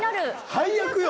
配役よ！